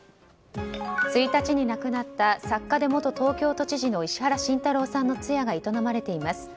１日に亡くなった作家で元東京都知事の石原慎太郎さんの通夜が営まれています。